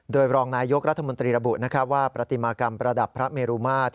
โดยรองนายกรัฐมนตรีระบุว่าปฏิมากรรมประดับพระเมรุมาตร